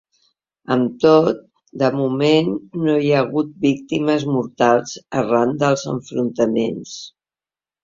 Amb tot, de moment no hi ha hagut víctimes mortals arran dels enfrontaments.